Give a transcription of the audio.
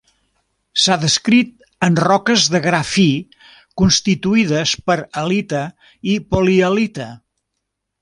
S'ha descrit en roques de gra fi constituïdes per halita i polihalita.